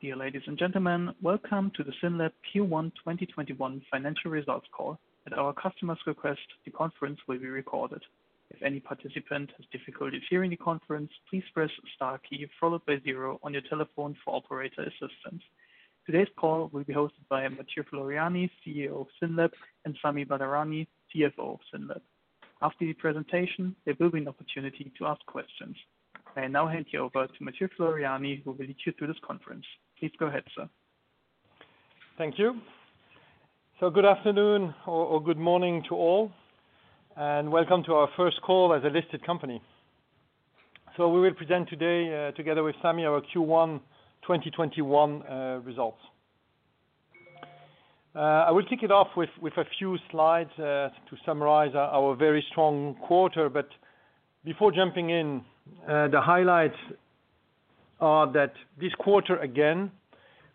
Dear ladies and gentlemen, welcome to the SYNLAB Q1 2021 financial results call. At our customers' request, the conference will be recorded. Today's call will be hosted by Mathieu Floreani, CEO of SYNLAB, and Sami Badarani, CFO of SYNLAB. After the presentation, there will be an opportunity to ask questions. I now hand you over to Mathieu Floreani, who will lead you through this conference. Please go ahead, sir. Thank you. Good afternoon or good morning to all, and welcome to our first call as a listed company. We will present today, together with Sami, our Q1 2021 results. I will kick it off with a few slides to summarize our very strong quarter. Before jumping in, the highlights are that this quarter, again,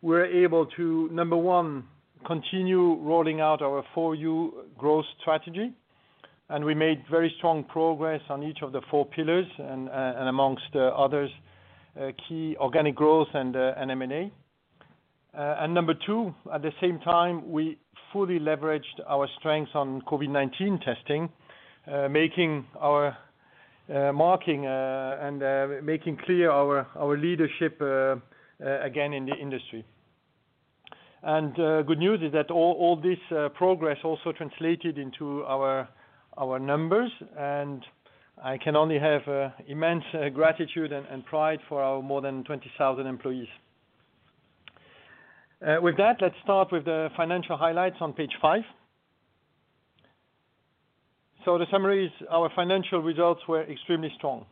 we're able to, number one, continue rolling out our FOR YOU growth strategy. We made very strong progress on each of the four pillars and amongst others, key organic growth and M&A. Number two, at the same time, we fully leveraged our strengths on COVID-19 testing, marking and making clear our leadership again in the industry. Good news is that all this progress also translated into our numbers, and I can only have immense gratitude and pride for our more than 20,000 employees. With that, let's start with the financial highlights on page five. The summary is our financial results were extremely strong.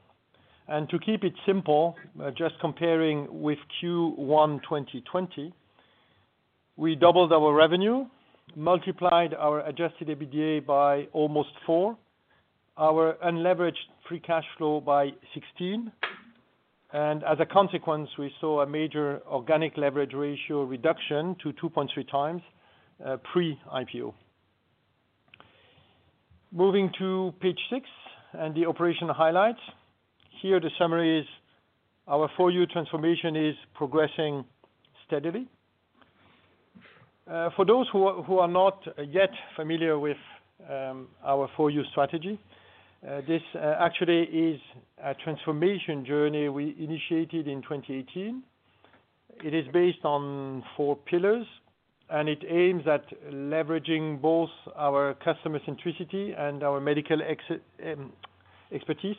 To keep it simple, just comparing with Q1 2020, we doubled our revenue, multiplied our adjusted EBITDA by almost four, our unleveraged free cash flow by 16, and as a consequence, we saw a major organic leverage ratio reduction to 2.3x pre-IPO. Moving to page six and the operational highlights. Here the summary is our FOR YOU transformation is progressing steadily. For those who are not yet familiar with our FOR YOU strategy, this actually is a transformation journey we initiated in 2018. It is based on four pillars, and it aims at leveraging both our customer centricity and our medical expertise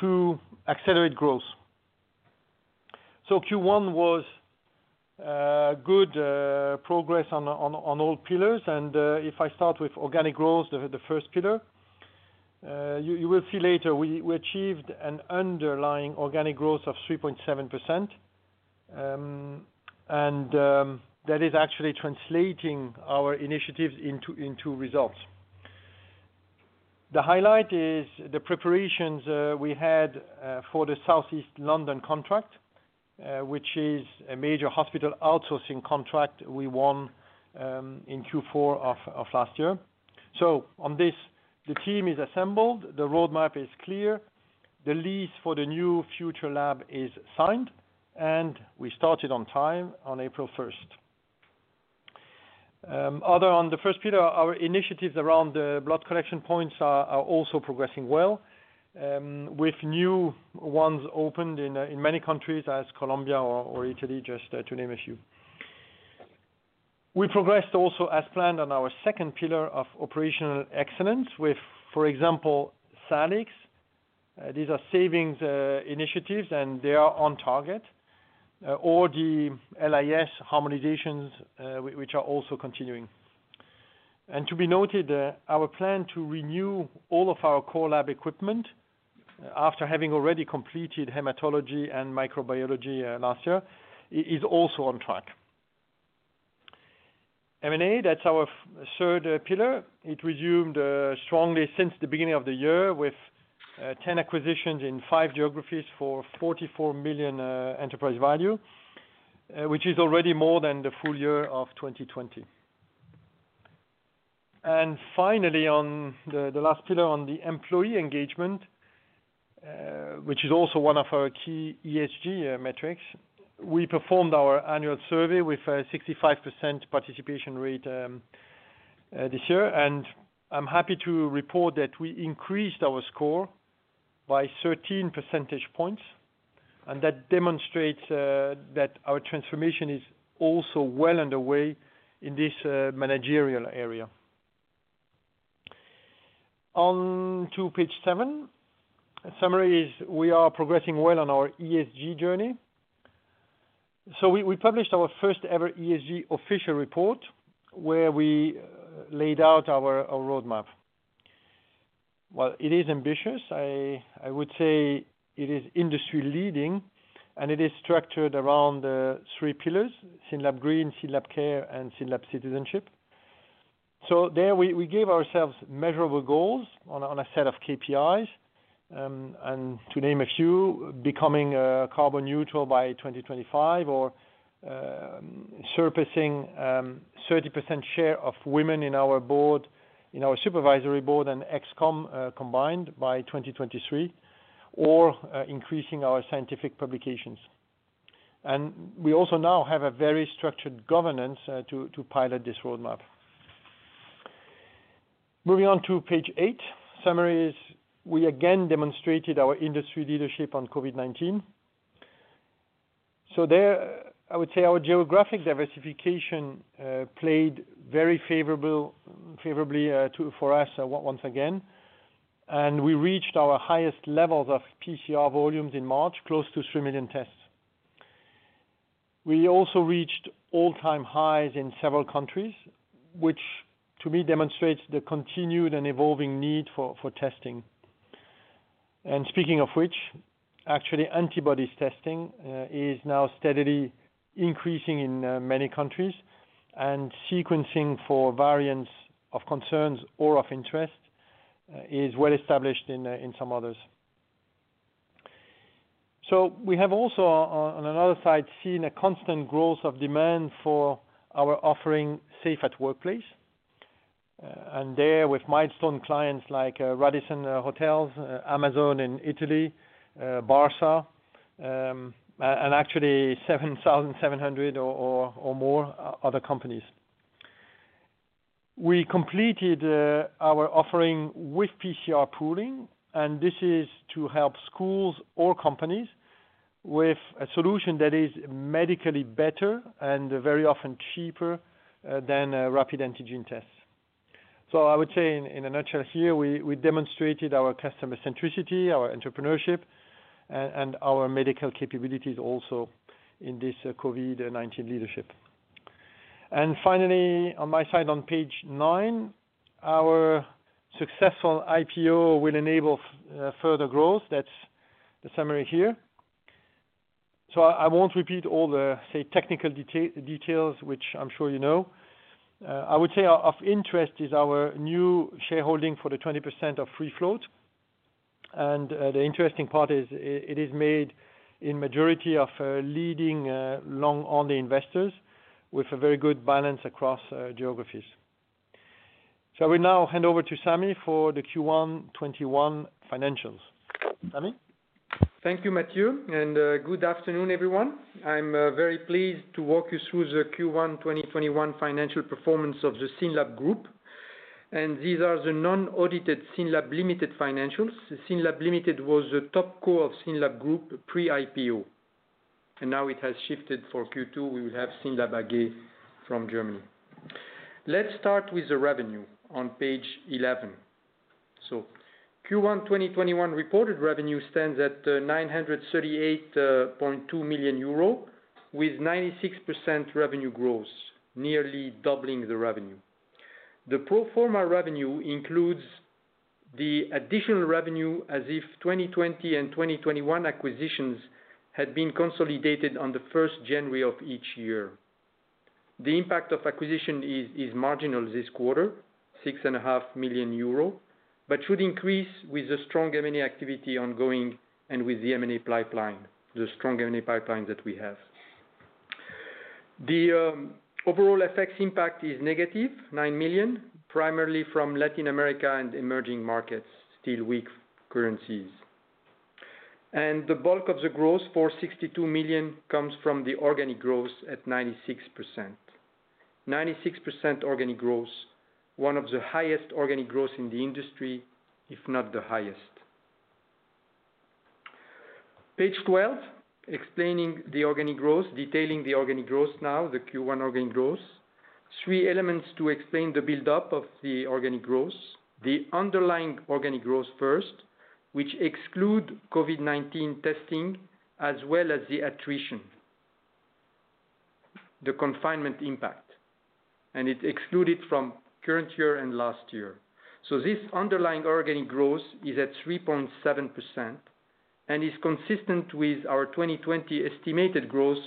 to accelerate growth. Q1 was good progress on all pillars, and if I start with organic growth, the first pillar. You will see later we achieved an underlying organic growth of 3.7%, and that is actually translating our initiatives into results. The highlight is the preparations we had for the South East London contract, which is a major hospital outsourcing contract we won in Q4 of last year. On this, the team is assembled, the roadmap is clear, the lease for the new future lab is signed, and we started on time on April 1st. Other on the first pillar, our initiatives around the blood collection points are also progressing well, with new ones opened in many countries as Colombia or Italy, just to name a few. We progressed also as planned on our second pillar of operational excellence with, for example, SALIX. These are savings initiatives, and they are on target. All the LIS harmonizations, which are also continuing. To be noted, our plan to renew all of our core lab equipment, after having already completed hematology and microbiology last year, is also on track. M&A, that's our third pillar. It resumed strongly since the beginning of the year with 10 acquisitions in five geographies for 44 million enterprise value, which is already more than the full year of 2020. Finally, on the last pillar on the employee engagement, which is also one of our key ESG metrics, we performed our annual survey with a 65% participation rate this year. I'm happy to report that we increased our score by 13 percentage points, and that demonstrates that our transformation is also well underway in this managerial area. On to page seven. The summary is we are progressing well on our ESG journey. We published our first ever ESG official report, where we laid out our roadmap. While it is ambitious, I would say it is industry-leading, and it is structured around three pillars: SYNLAB Green, SYNLAB Care, and SYNLAB Citizenship. There we gave ourselves measurable goals on a set of KPIs, and to name a few, becoming carbon neutral by 2025 or surpassing 30% share of women in our board, in our supervisory board and ExCom combined by 2023 or increasing our scientific publications. We also now have a very structured governance to pilot this roadmap. Moving on to page eight, summaries. We again demonstrated our industry leadership on COVID-19. There, I would say our geographic diversification played very favorably for us once again, and we reached our highest levels of PCR volumes in March, close to 3 million tests. We also reached all-time highs in several countries, which to me demonstrates the continued and evolving need for testing. Speaking of which, actually antibody testing is now steadily increasing in many countries, and sequencing for variants of concerns or of interest is well established in some others. We have also, on another side, seen a constant growth of demand for our offering, Safe at Workplace, and there with milestone clients like Radisson Hotels, Amazon in Italy, Barça, and actually 7,700 or more other companies. We completed our offering with PCR pooling, and this is to help schools or companies with a solution that is medically better and very often cheaper than rapid antigen tests. I would say in a nutshell here, we demonstrated our customer centricity, our entrepreneurship, and our medical capabilities also in this COVID-19 leadership. Finally, on my side on page nine, our successful IPO will enable further growth. I won't repeat all the technical details, which I'm sure you know. The interesting part is it is made in majority of leading long-only investors with a very good balance across geographies. I will now hand over to Sami for the Q1 2021 financials. Sami? Thank you, Mathieu, and good afternoon, everyone. I am very pleased to walk you through the Q1 2021 financial performance of the SYNLAB Group, and these are the non-audited SYNLAB Limited financials. SYNLAB Limited was the top core of SYNLAB Group pre-IPO, and now it has shifted for Q2. We will have SYNLAB AG from Germany. Let's start with the revenue on page 11. Q1 2021 reported revenue stands at 938.2 million euro, with 96% revenue growth, nearly doubling the revenue. The pro forma revenue includes the additional revenue as if 2020 and 2021 acquisitions had been consolidated on the 1st January of each year. The impact of acquisition is marginal this quarter, 6.5 million euro, but should increase with the strong M&A activity ongoing and with the M&A pipeline, the strong M&A pipeline that we have. The overall FX impact is negative, 9 million, primarily from Latin America and emerging markets, still weak currencies. The bulk of the growth, 462 million, comes from the organic growth at 96%. 96% organic growth, one of the highest organic growth in the industry, if not the highest. Page 12, explaining the organic growth, detailing the organic growth now, the Q1 organic growth. Three elements to explain the build-up of the organic growth. The underlying organic growth first, which exclude COVID-19 testing as well as the attrition, the confinement impact, and it's excluded from current year and last year. This underlying organic growth is at 3.7% and is consistent with our 2020 estimated growth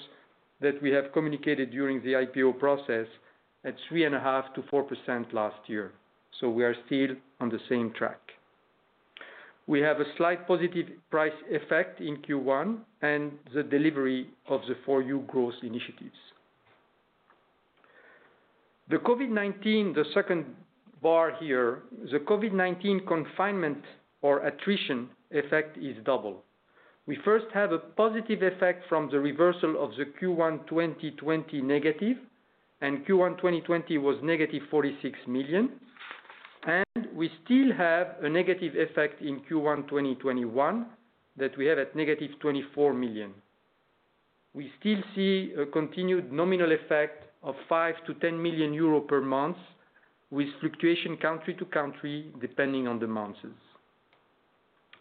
that we have communicated during the IPO process at 3.5%-4% last year. We are still on the same track. We have a slight positive price effect in Q1 and the delivery of the FOR YOU growth initiatives. The COVID-19, the second bar here. The COVID-19 confinement or attrition effect is double. We first have a positive effect from the reversal of the Q1 2020 negative, and Q1 2020 was negative 46 million. We still have a negative effect in Q1 2021 that we have at negative 24 million. We still see a continued nominal effect of 5 million-10 million euros per month with fluctuation country to country, depending on the months.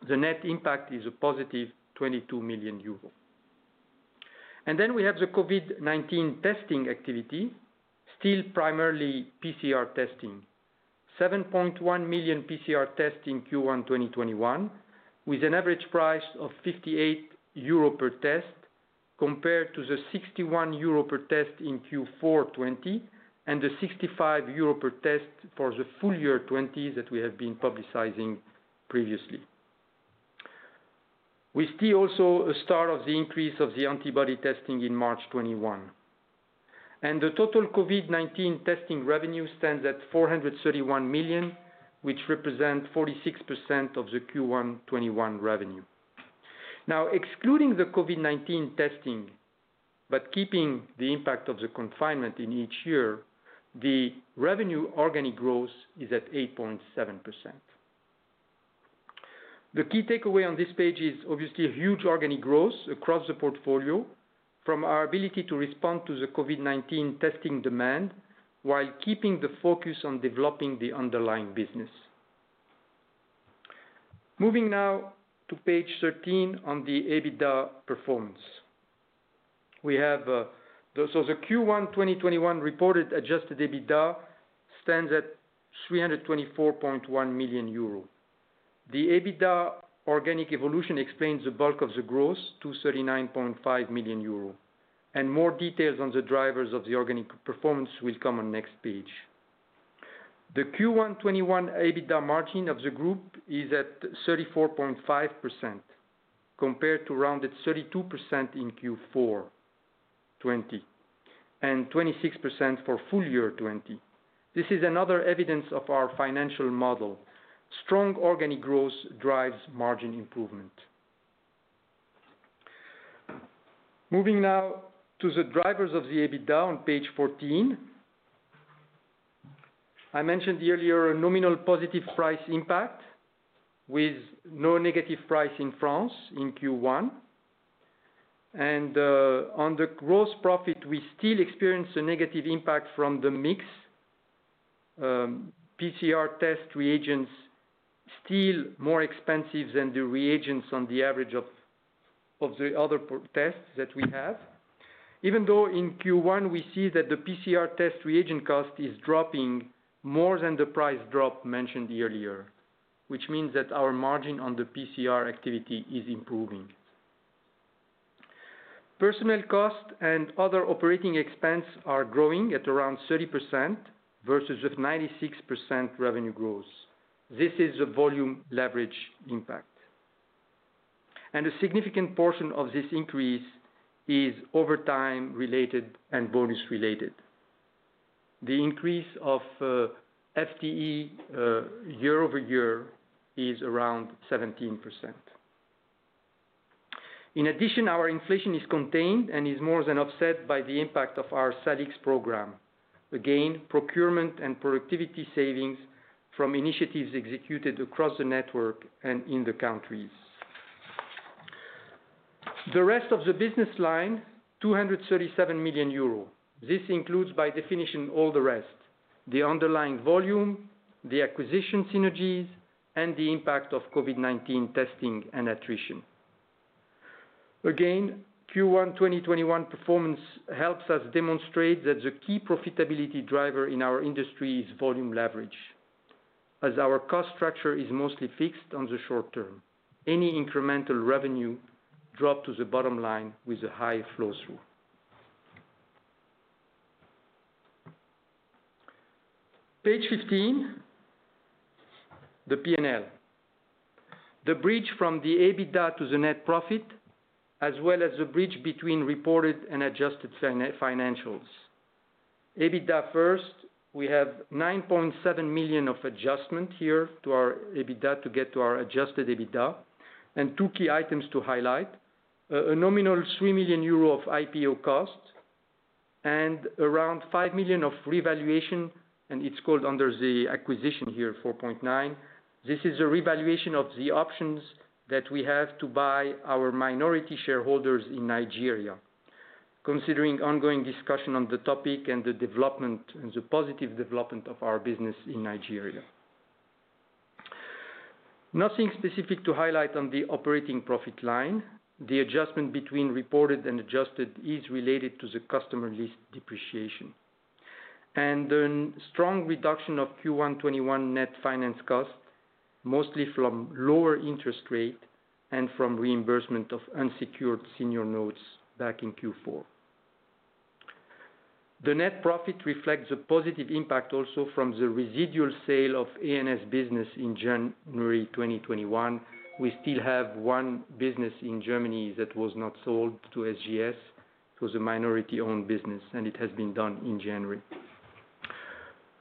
The net impact is a positive 22 million euros. Then we have the COVID-19 testing activity, still primarily PCR testing. 7.1 million PCR tests in Q1 2021, with an average price of 58 euro per test, compared to the 61 euro per test in Q4 2020 and the 65 euro per test for the full year 2020 that we have been publicizing previously. The total COVID-19 testing revenue stands at 431 million, which represent 46% of the Q1 2021 revenue. Excluding the COVID-19 testing, but keeping the impact of the confinement in each year, the revenue organic growth is at 8.7%. The key takeaway on this page is obviously a huge organic growth across the portfolio from our ability to respond to the COVID-19 testing demand while keeping the focus on developing the underlying business. Moving now to page 13 on the EBITDA performance. The Q1 2021 reported adjusted EBITDA stands at 324.1 million euro. The EBITDA organic evolution explains the bulk of the growth to 39.5 million euro and more details on the drivers of the organic performance will come on next page. The Q1 2021 EBITDA margin of the group is at 34.5% compared to rounded 32% in Q4 2020 and 26% for full year 2020. This is another evidence of our financial model. Strong organic growth drives margin improvement. Moving now to the drivers of the EBITDA on page 14. I mentioned earlier a nominal positive price impact with no negative price in France in Q1. On the gross profit, we still experience a negative impact from the mix, PCR test reagents still more expensive than the reagents on the average of the other tests that we have. Even though in Q1 we see that the PCR test reagent cost is dropping more than the price drop mentioned earlier, which means that our margin on the PCR activity is improving. Personnel cost and other operating expense are growing at around 30% versus 96% revenue growth. This is the volume leverage impact. A significant portion of this increase is overtime related and bonus related. The increase of FTE year-over-year is around 17%. In addition, our inflation is contained and is more than offset by the impact of our SALIX program. Again, procurement and productivity savings from initiatives executed across the network and in the countries. The rest of the business line, 237 million euro. This includes, by definition, all the rest, the underlying volume, the acquisition synergies, and the impact of COVID-19 testing and attrition. Again, Q1 2021 performance helps us demonstrate that the key profitability driver in our industry is volume leverage. As our cost structure is mostly fixed on the short term, any incremental revenue drop to the bottom line with a high flow-through. Page 15, the P&L. The bridge from the EBITDA to the net profit, as well as the bridge between reported and adjusted financials. EBITDA first, we have 9.7 million of adjustment here to our EBITDA to get to our adjusted EBITDA. Two key items to highlight. A nominal 3 million euro of IPO cost and around 5 million of revaluation, and it's called under the acquisition here, 4.9 million. This is a revaluation of the options that we have to buy our minority shareholders in Nigeria, considering ongoing discussion on the topic and the positive development of our business in Nigeria. Nothing specific to highlight on the operating profit line. The adjustment between reported and adjusted is related to the customer lease depreciation. The strong reduction of Q1 2021 net finance cost, mostly from lower interest rate and from reimbursement of unsecured senior notes back in Q4. The net profit reflects the positive impact also from the residual sale of A&S business in January 2021. We still have one business in Germany that was not sold to SGS. It was a minority-owned business, and it has been done in January.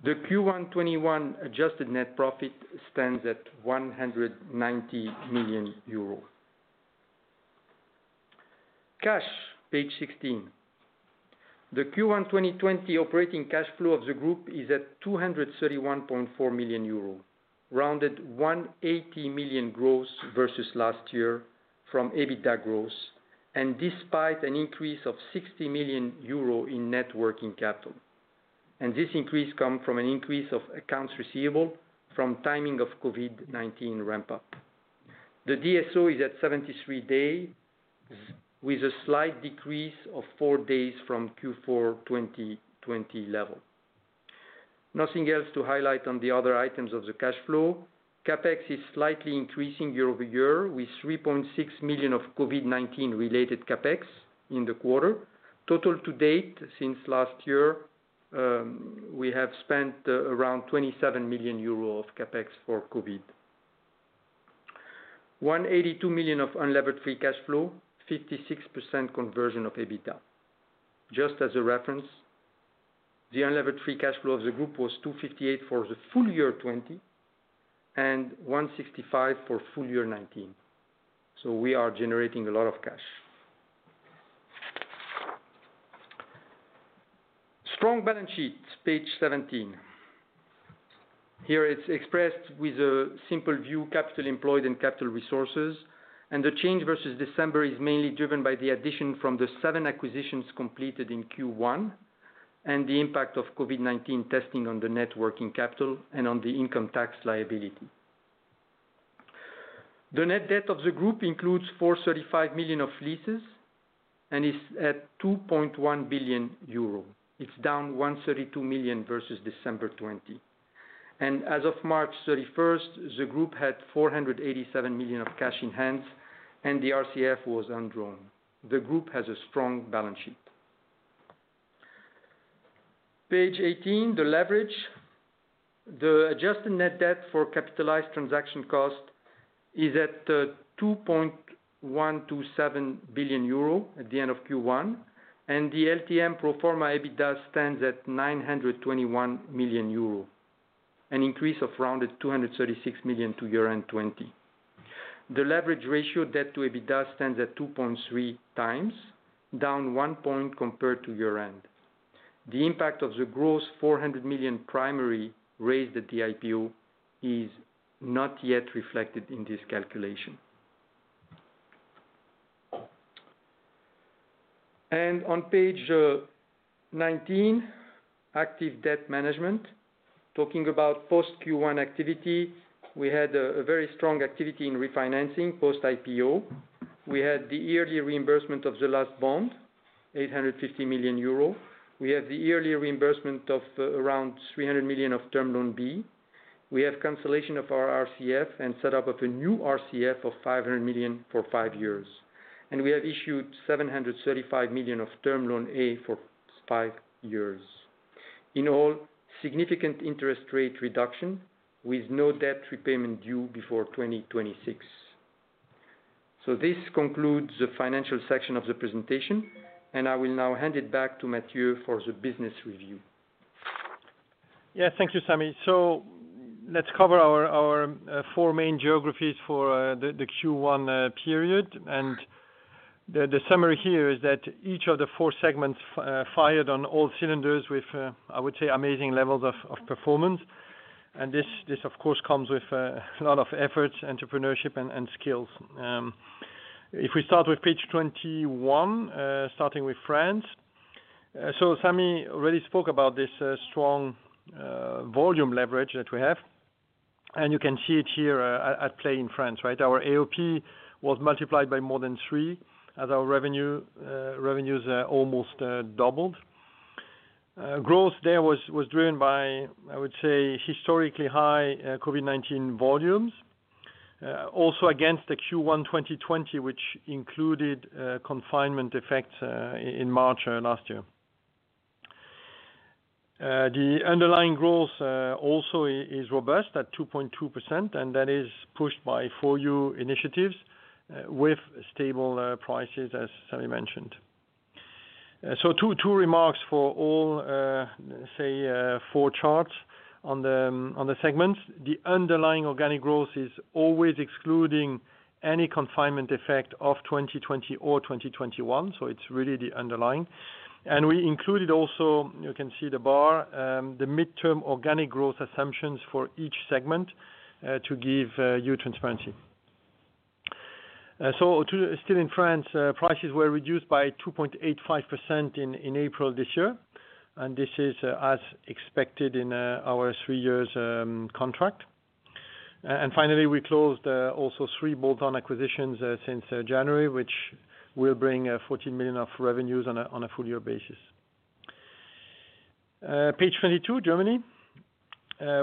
The Q1 2021 adjusted net profit stands at 190 million euros. Cash, page 16. The Q1 2020 operating cash flow of the group is at 231.4 million euro, rounded 180 million growth versus last year from EBITDA growth and despite an increase of 60 million euro in net working capital. This increase come from an increase of accounts receivable from timing of COVID-19 ramp-up. The DSO is at 73 day with a slight decrease of four days from Q4 2020 level. Nothing else to highlight on the other items of the cash flow. CapEx is slightly increasing year-over-year with 3.6 million of COVID-19 related CapEx in the quarter. Total to date since last year, we have spent around 27 million euros of CapEx for COVID. 182 million of unlevered free cash flow, 56% conversion of EBITDA. Just as a reference, the unlevered free cash flow of the group was 258 million for the full year 2020, and 165 million for full year 2019. We are generating a lot of cash. Strong balance sheet, page 17. Here it's expressed with a simple view, capital employed and capital resources. The change versus December is mainly driven by the addition from the seven acquisitions completed in Q1, and the impact of COVID-19 testing on the net working capital and on the income tax liability. The net debt of the group includes 435 million of leases and is at 2.1 billion euro. It's down 132 million versus December 2020. As of March 31st, the group had 487 million of cash in hand and the RCF was undrawn. The group has a strong balance sheet. Page 18, the leverage. The adjusted net debt for capitalized transaction cost is at 2.127 billion euro at the end of Q1, and the LTM pro forma EBITDA stands at 921 million euro, an increase of rounded 236 million to year-end 2020. The leverage ratio debt to EBITDA stands at 2.3x, down one point compared to year-end. The impact of the gross 400 million primary raised at the IPO is not yet reflected in this calculation. On page 19, active debt management, talking about post Q1 activity. We had a very strong activity in refinancing post IPO. We had the yearly reimbursement of the last bond, 850 million euro. We had the yearly reimbursement of around 300 million of Term Loan B. We have cancellation of our RCF and set up of a new RCF of 500 million for five years. We have issued 735 million of Term Loan A for five years. In all, significant interest rate reduction with no debt repayment due before 2026. This concludes the financial section of the presentation, and I will now hand it back to Mathieu for the business review. Thank you, Sami. Let's cover our four main geographies for the Q1 period. The summary here is that each of the four segments fired on all cylinders with, I would say, amazing levels of performance. This of course comes with a lot of effort, entrepreneurship, and skills. If we start with page 21, starting with France. Sami already spoke about this strong volume leverage that we have, and you can see it here at play in France, right? Our AOP was multiplied by more than three as our revenues almost doubled. Growth there was driven by, I would say, historically high COVID-19 volumes, also against the Q1 2020, which included confinement effects in March last year. The underlying growth also is robust at 2.2%, and that is pushed by FOR YOU initiatives with stable prices as Sami mentioned. Two remarks for all, say, four charts on the segments. The underlying organic growth is always excluding any confinement effect of 2020 or 2021. It is really the underlying. We included also, you can see the bar, the midterm organic growth assumptions for each segment, to give you transparency. Still in France, prices were reduced by 2.85% in April this year, and this is as expected in our three years contract. Finally, we closed also three bolt-on acquisitions since January, which will bring 14 million of revenues on a full year basis. Page 22, Germany.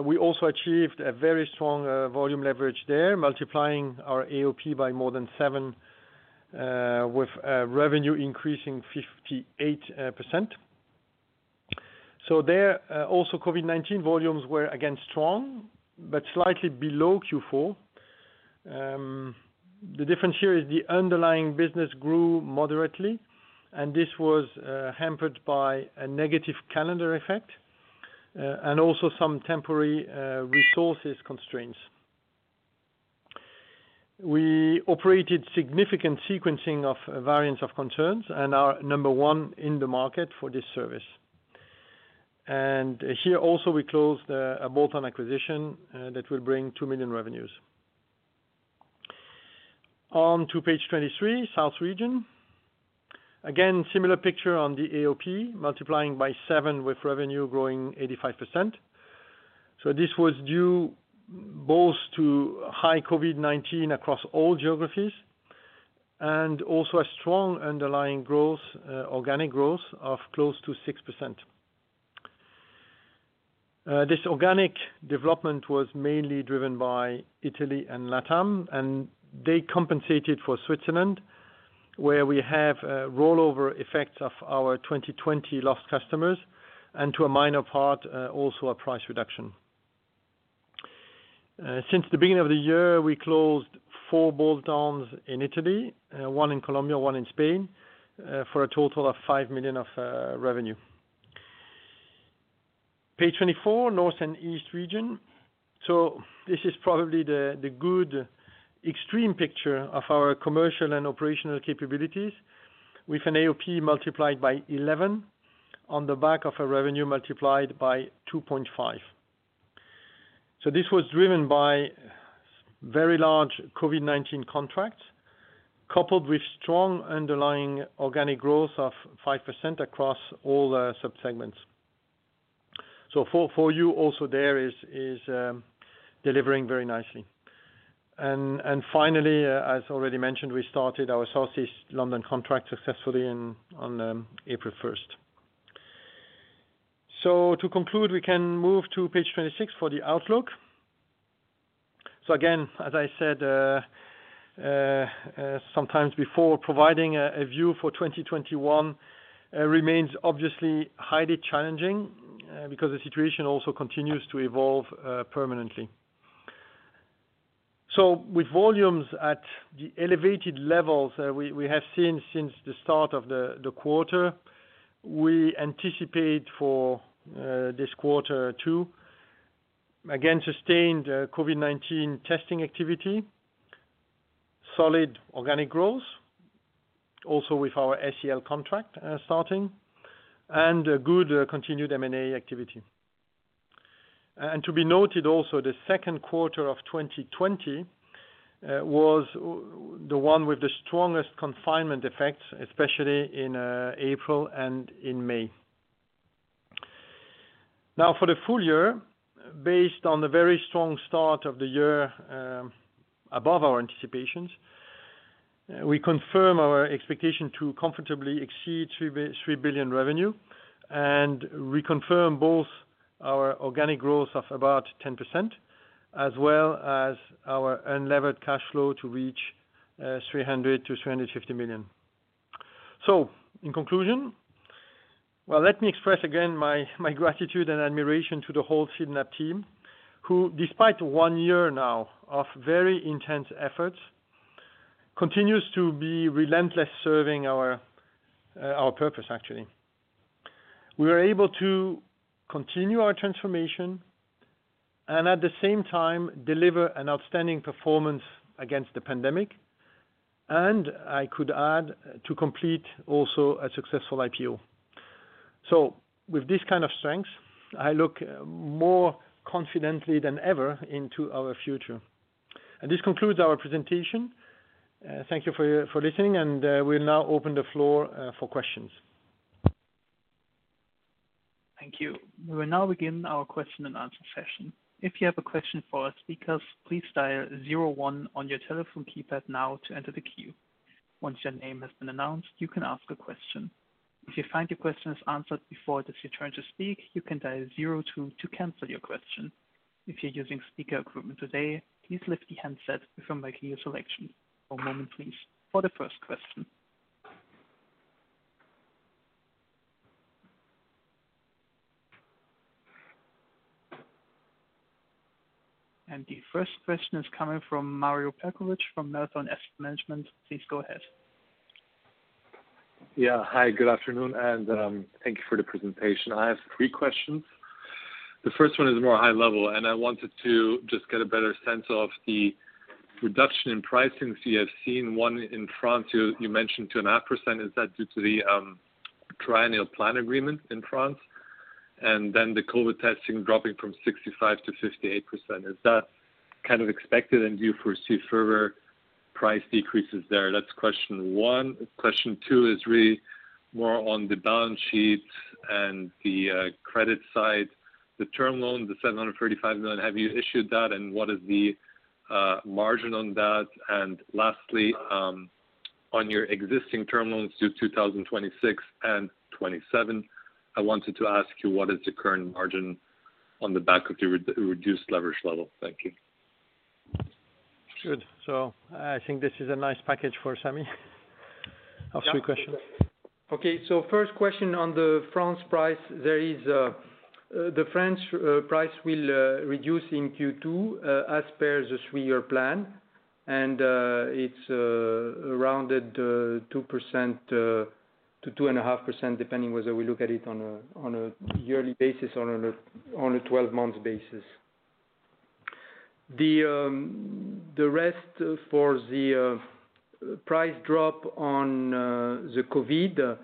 We also achieved a very strong volume leverage there, multiplying our AOP by more than seven, with revenue increasing 58%. There, also COVID-19 volumes were again strong, but slightly below Q4. The difference here is the underlying business grew moderately, and this was hampered by a negative calendar effect, and also some temporary resources constraints. We operated significant sequencing of variants of concerns and are number one in the market for this service. Here also, we closed a bolt-on acquisition that will bring 2 million revenues. On to page 23, South Region. Again, similar picture on the AOP, multiplying by seven with revenue growing 85%. This was due both to high COVID-19 across all geographies and also a strong underlying growth, organic growth of close to 6%. This organic development was mainly driven by Italy and LATAM, and they compensated for Switzerland, where we have rollover effects of our 2020 lost customers, and to a minor part, also a price reduction. Since the beginning of the year, we closed four bolt-ons in Italy, one in Colombia, one in Spain, for a total of 5 million of revenue. Page 24, North and East region. This is probably the good extreme picture of our commercial and operational capabilities with an AOP multiplied by 11 on the back of a revenue multiplied by 2.5. This was driven by very large COVID-19 contracts, coupled with strong underlying organic growth of 5% across all the sub-segments. FOR YOU also there is delivering very nicely. Finally, as already mentioned, we started our Southeast London contract successfully on April 1st. To conclude, we can move to page 26 for the outlook. Again, as I said, sometimes before, providing a view for 2021 remains obviously highly challenging because the situation also continues to evolve permanently. With volumes at the elevated levels we have seen since the start of the quarter, we anticipate for this Quarter 2, again, sustained COVID-19 testing activity, solid organic growth, also with our SEL contract starting, and good continued M&A activity. To be noted also, the second quarter of 2020 was the one with the strongest confinement effects, especially in April and in May. For the full year, based on the very strong start of the year above our anticipations, we confirm our expectation to comfortably exceed 3 billion revenue, and we confirm both our organic growth of about 10%, as well as our unlevered cash flow to reach 300 million to 350 million. In conclusion, well, let me express again my gratitude and admiration to the whole SYNLAB team, who despite one year now of very intense efforts, continues to be relentless serving our purpose actually. We were able to continue our transformation and at the same time deliver an outstanding performance against the pandemic. I could add, to complete also a successful IPO. With this kind of strength, I look more confidently than ever into our future. This concludes our presentation. Thank you for listening. We'll now open the floor for questions. Thank you. We will now begin our question-and-answer session. If you have a question for our speakers, please dial zero one on your telephone keypad now to enter the queue. Once your name has been announced, you can ask a question. If you find your question is answered before it is your turn to speak, you can dial zero two to cancel your question. If you're using speaker equipment today, please lift the handset before making your selection. One moment please for the first question. The first question is coming from Mario Perkovic from Marathon Asset Management. Please go ahead. Hi, good afternoon, thank you for the presentation. I have three questions. The first one is more high level, I wanted to just get a better sense of the reduction in pricing that you have seen, one, in France you mentioned 2.5% is that due to the triennial plan agreement in France? The COVID testing dropping from 65%-58%. Is that kind of expected and do you foresee further price decreases there? That's question one. Question two is really more on the balance sheet and the credit side. The term loan, the 735 million, have you issued that what is the margin on that? Lastly, on your existing term loans due 2026 and 2027, I wanted to ask you what is the current margin on the back of the reduced leverage level? Thank you. Good. I think this is a nice package for Sami Badarani, of three questions. Okay, first question on the France price. The France price will reduce in Q2, as per the three-year plan, and it's around the 2%-2.5%, depending whether we look at it on a yearly basis or on a 12-month basis. The rest for the price drop on the COVID,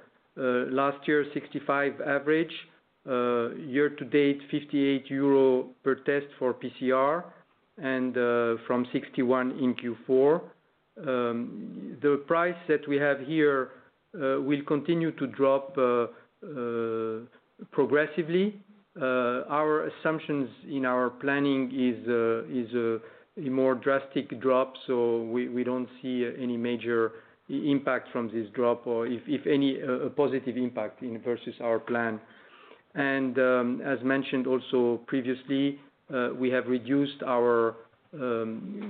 last year, 65 average. Year-to-date, 58 euro per test for PCR and from 61 in Q4. The price that we have here will continue to drop progressively. Our assumptions in our planning is a more drastic drop, we don't see any major impact from this drop or if any, a positive impact versus our plan. As mentioned also previously, we have reduced our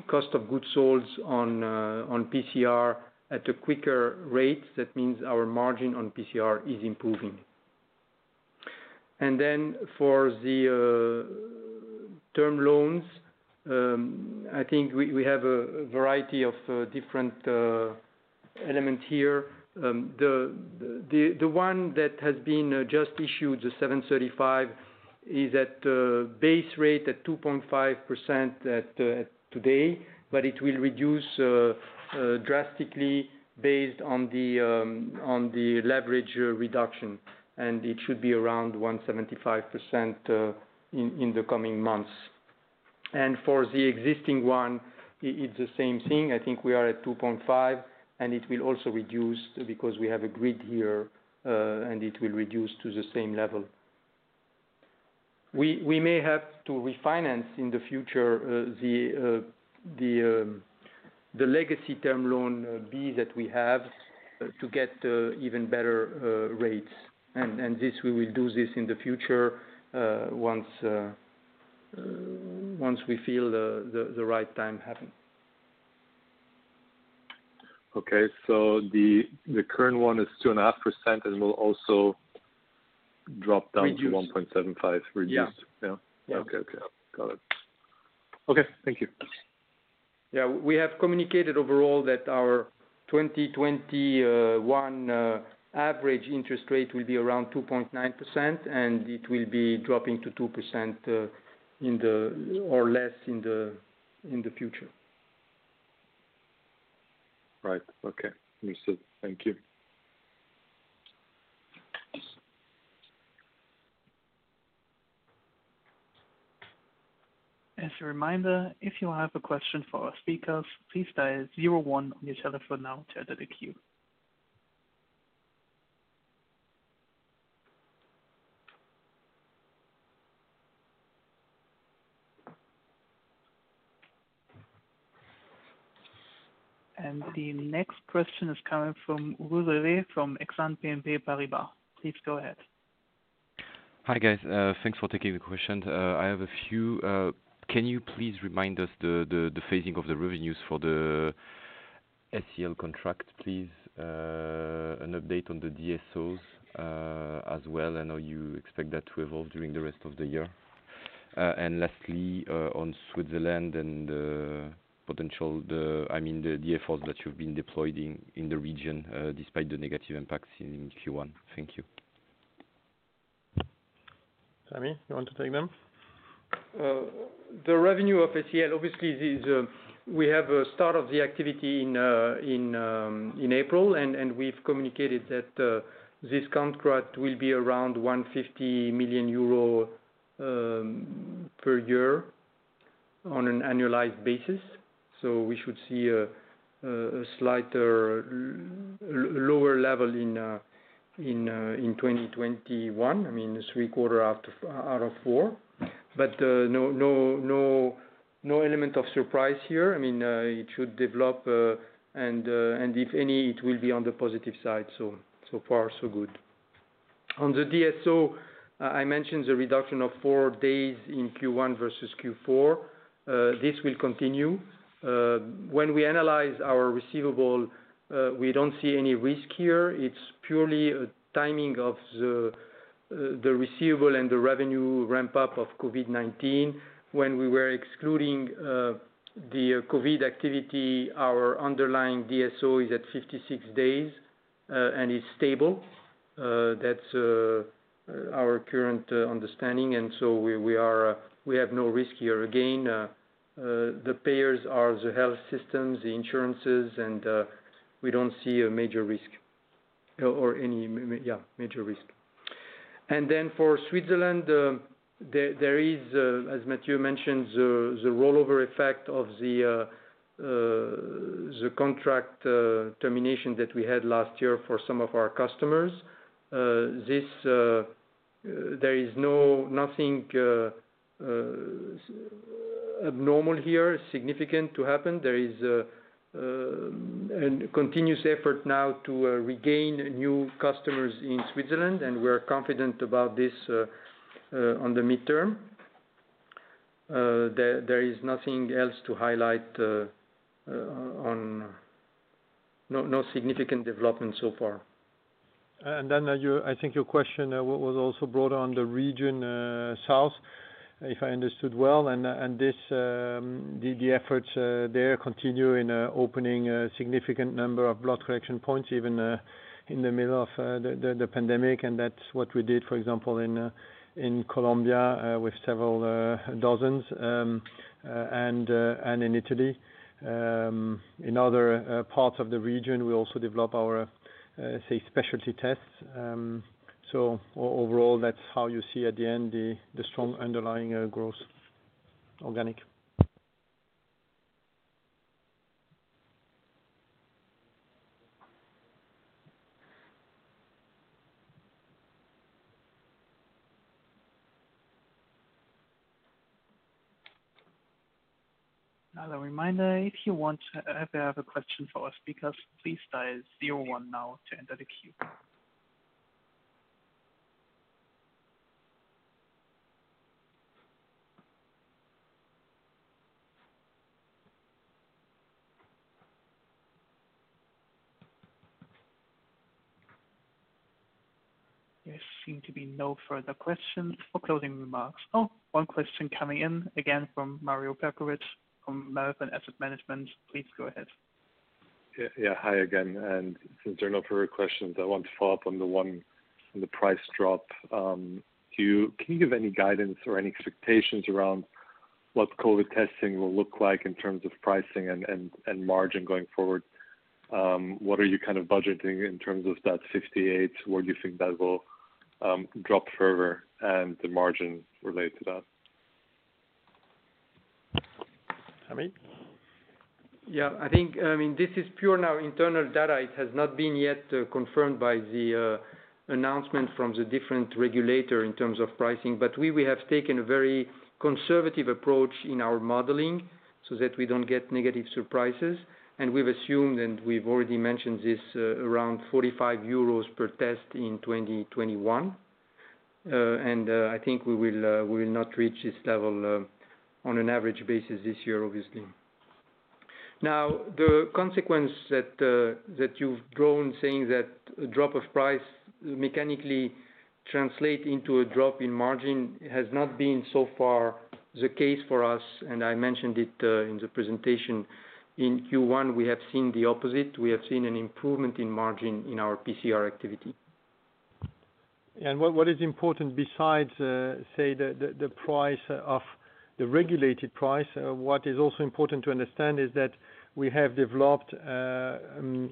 cost of goods sold on PCR at a quicker rate. That means our margin on PCR is improving. For the term loans, I think we have a variety of different elements here. The one that has been just issued, the 735, is at base rate at 2.5% today, but it will reduce drastically based on the leverage reduction, and it should be around 1.75% in the coming months. For the existing one, it's the same thing. I think we are at 2.5%, and it will also reduce because we have agreed here, and it will reduce to the same level. We may have to refinance in the future the legacy Term Loan B that we have to get even better rates. We will do this in the future once we feel the right time happen. Okay. The current one is 2.5%. Reduce to 1.75%. Reduced. Yeah. Yeah. Okay. Got it. Okay, thank you. Yeah. We have communicated overall that our 2021 average interest rate will be around 2.9%. It will be dropping to 2% or less in the future. Right. Okay. Received. Thank you. As a reminder, if you have a question for our speakers, please dial zero one on your telephone now to enter the queue. The next question is coming from Laurent Roux from Exane BNP Paribas. Please go ahead. Hi, guys. Thanks for taking the question. I have a few. Can you please remind us the phasing of the revenues for the SEL contract, please? An update on the DSOs as well. I know you expect that to evolve during the rest of the year. Lastly, on Switzerland and the effort that you've been deploying in the region despite the negative impacts in Q1. Thank you. Sami, you want to take them? The revenue of SALIX, obviously, we have a start of the activity in April, and we've communicated that this contract will be around 150 million euro per year on an annualized basis. We should see a slighter lower level in 2021. I mean, three quarter out of four. No element of surprise here. It should develop, and if any, it will be on the positive side. So far, so good. On the DSO, I mentioned the reduction of four days in Q1 versus Q4. This will continue. When we analyze our receivable, we don't see any risk here. It's purely a timing of the receivable and the revenue ramp-up of COVID-19. When we were excluding the COVID activity, our underlying DSO is at 56 days and is stable. That's our current understanding, and so we have no risk here. The payers are the health systems, the insurances, and we don't see a major risk. For Switzerland, there is, as Mathieu mentioned, the rollover effect of the contract termination that we had last year for some of our customers. There is nothing abnormal here, significant to happen. There is a continuous effort now to regain new customers in Switzerland, and we're confident about this on the midterm. There is nothing else to highlight. No significant development so far. I think your question was also brought on the region south, if I understood well. The efforts there continue in opening a significant number of blood collection points, even in the middle of the pandemic. That's what we did, for example, in Colombia with several dozens and in Italy. In other parts of the region, we also develop our, say, specialty tests. Overall, that's how you see at the end, the strong underlying growth, organic. As a reminder, if you have a question for our speakers, please dial zero one now to enter the queue. There seem to be no further questions or closing remarks. Oh, one question coming in again from Mario Perkovic from Marathon Asset Management. Please go ahead. Yeah. Hi again. Since there are no further questions, I want to follow up on the one on the price drop. Can you give any guidance or any expectations around what COVID testing will look like in terms of pricing and margin going forward? What are you budgeting in terms of that 58? Where do you think that will drop further and the margin related to that? Sami? I think this is pure internal data. It has not been yet confirmed by the announcement from the different regulator in terms of pricing. We have taken a very conservative approach in our modeling so that we don't get negative surprises. We've assumed, and we've already mentioned this, around 45 euros per test in 2021. I think we will not reach this level on an average basis this year, obviously. Now, the consequence that you've drawn, saying that a drop of price mechanically translate into a drop in margin has not been so far the case for us, and I mentioned it in the presentation. In Q1, we have seen the opposite. We have seen an improvement in margin in our PCR activity. What is important besides, say, the regulated price. What is also important to understand is that we have developed an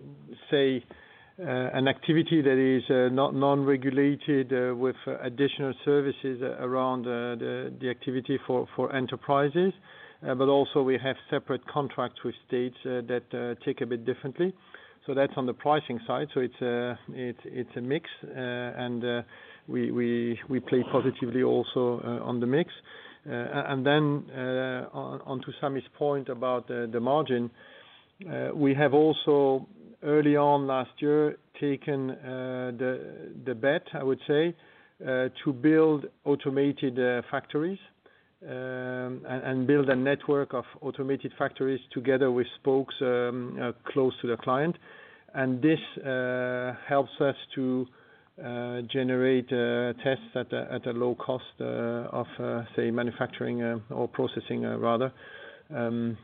activity that is non-regulated with additional services around the activity for enterprises. Also we have separate contracts with states that tick a bit differently. That's on the pricing side. It's a mix, and we play positively also on the mix. Then onto Sami's point about the margin. We have also, early on last year, taken the bet, I would say, to build automated factories. Build a network of automated factories together with spokes close to the client. This helps us to generate tests at a low cost of say, manufacturing or processing rather,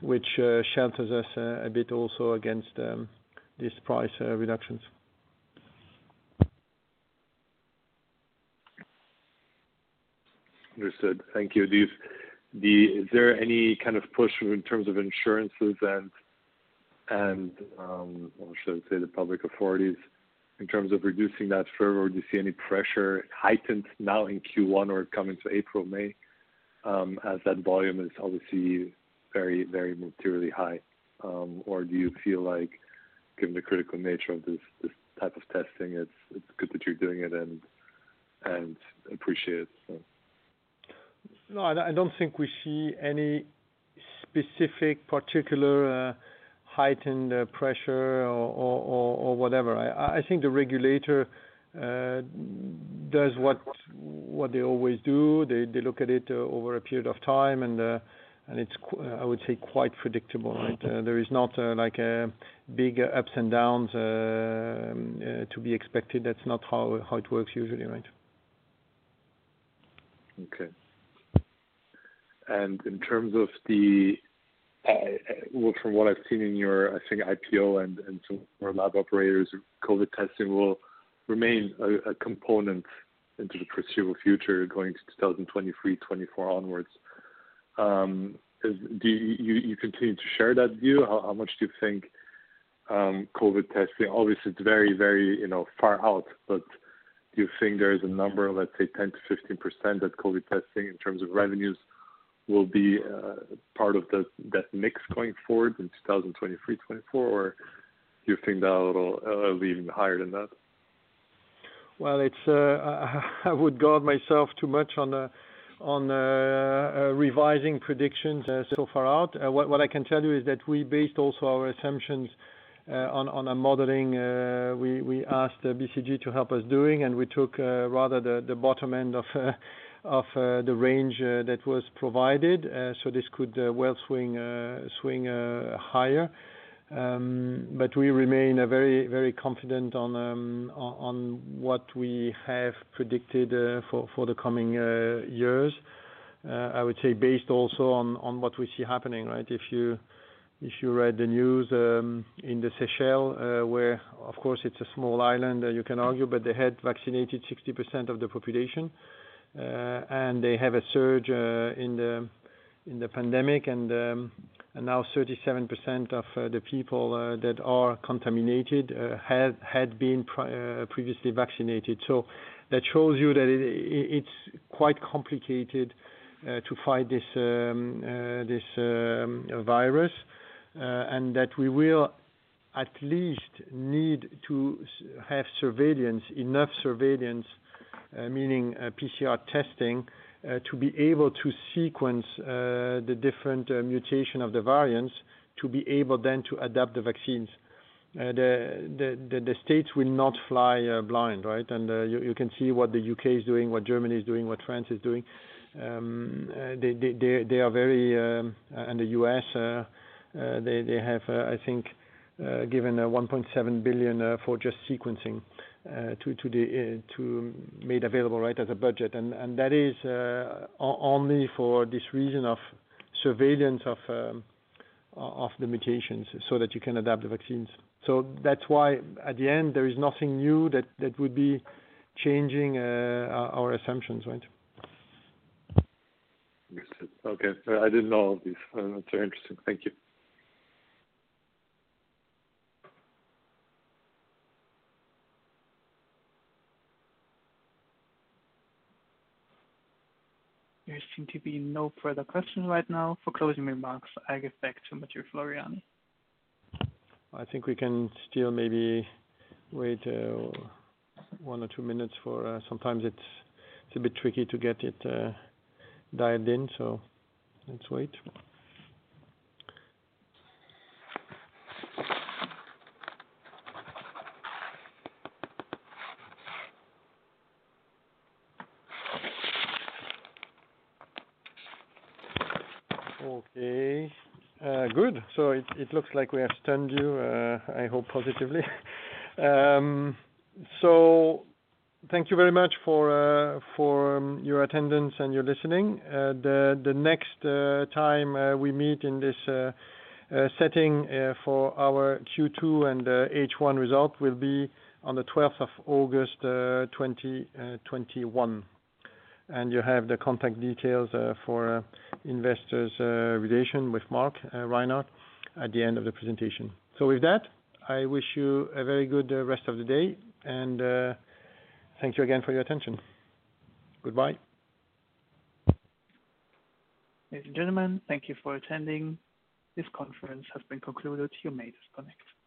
which shelters us a bit also against these price reductions. Understood. Thank you. Is there any kind of push in terms of insurances and, or should I say the public authorities, in terms of reducing that further, or do you see any pressure heightened now in Q1 or coming to April, May? As that volume is obviously very materially high. Do you feel like given the critical nature of this type of testing, it's good that you're doing it and appreciated, so? No, I don't think we see any specific particular heightened pressure or whatever. I think the regulator does what they always do. They look at it over a period of time, and it's, I would say, quite predictable, right? There is not big ups and downs to be expected. That's not how it works usually, right? Okay. In terms of Well, from what I've seen in your, I think, IPO and some of our lab operators, COVID testing will remain a component into the foreseeable future going to 2023, 2024 onwards. Do you continue to share that view? How much do you think COVID testing, obviously, it's very far out, but do you think there is a number of, let's say, 10%-15% that COVID testing in terms of revenues will be part of that mix going forward in 2023, 2024? Do you think that'll be even higher than that? Well, I would guard myself too much on revising predictions so far out. What I can tell you is that we based also our assumptions on a modeling we asked BCG to help us doing, and we took rather the bottom end of the range that was provided. This could well swing higher. We remain very confident on what we have predicted for the coming years. I would say based also on what we see happening, right? If you read the news in the Seychelles, where, of course, it's a small island, you can argue, but they had vaccinated 60% of the population. They have a surge in the pandemic. Now 37% of the people that are contaminated had been previously vaccinated. That shows you that it's quite complicated to fight this virus. That we will at least need to have enough surveillance, meaning PCR testing, to be able to sequence the different mutation of the variants, to be able then to adapt the vaccines. The states will not fly blind, right? You can see what the U.K. is doing, what Germany is doing, what France is doing. The U.S., they have, I think, given 1.7 billion for just sequencing, made available as a budget. That is only for this reason of surveillance of the mutations so that you can adapt the vaccines. That's why at the end, there is nothing new that would be changing our assumptions. Understood. Okay. I didn't know all of this. That's very interesting. Thank you. There seem to be no further questions right now. For closing remarks, I give back to Mathieu Floreani. I think we can still maybe wait one or two minutes. Sometimes it's a bit tricky to get it dialed in. Let's wait. Okay. Good. It looks like we have stunned you, I hope positively. Thank you very much for your attendance and your listening. The next time we meet in this setting for our Q2 and H1 result will be on the 12th of August 2021. You have the contact details for Investor Relations with Mark Reinhard at the end of the presentation. With that, I wish you a very good rest of the day, and thank you again for your attention. Goodbye. Ladies and gentlemen, thank you for attending. This conference has been concluded. You may disconnect.